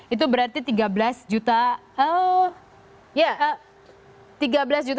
itu berarti tiga belas juta